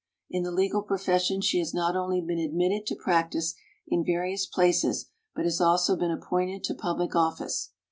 In the legal profession she has not only been admitted to practice in various places, but has also been ap pointed to public office.